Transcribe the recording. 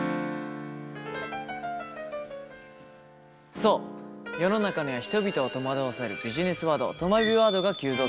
そう世の中には人々を戸惑わせるビジネスワードとまビワードが急増中。